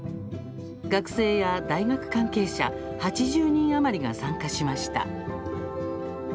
学生や大学関係者８０人余りが参加しました。